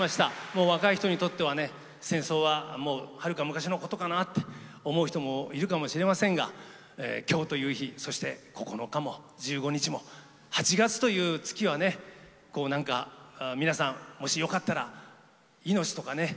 もう若い人にとってはね戦争ははるか昔のことかなって思う人もいるかもしれませんが今日という日そして９日も１５日も８月という月はねこう何か皆さんもしよかったら命とかね